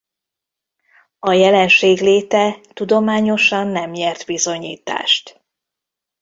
A jelenség léte tudományosan nem nyert bizonyítást.